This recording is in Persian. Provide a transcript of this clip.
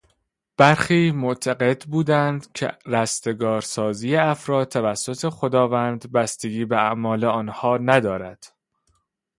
برخی معتقد بودند که رستگارسازی افراد توسط خداوند بستگی به اعمال آنها ندارد.